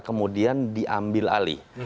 kemudian diambil alih